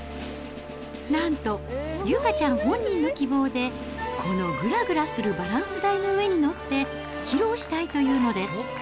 なんと、有花ちゃん本人の希望で、このぐらぐらするバランス台の上に乗って披露したいというのです